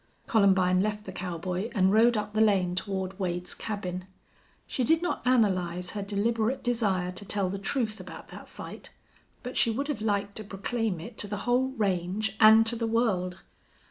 Columbine left the cowboy and rode up the lane toward Wade's cabin. She did not analyze her deliberate desire to tell the truth about that fight, but she would have liked to proclaim it to the whole range and to the world.